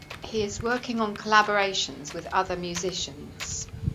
He is working on collaborations with other musicians.